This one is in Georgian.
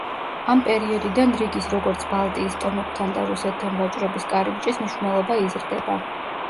ამ პერიოდიდან რიგის როგორც ბალტიის ტომებთან და რუსეთთან ვაჭრობის კარიბჭის მნიშვნელობა იზრდება.